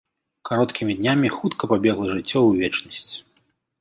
Кароткімі днямі хутка пабегла жыццё ў вечнасць.